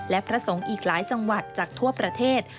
และพระสงฆ์อีกหลายจังหวัดจากทั่วประเทศ